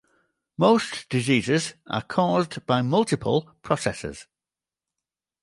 Most diseases are caused by multiple processes.